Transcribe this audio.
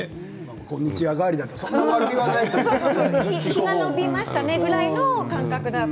こんにちは代わりでそう悪気はないと思いますよ。